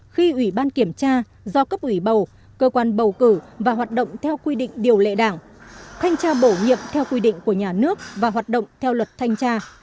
khi ủy ban kiểm tra do cấp ủy bầu cơ quan bầu cử và hoạt động theo quy định điều lệ đảng thanh tra bổ nhiệm theo quy định của nhà nước và hoạt động theo luật thanh tra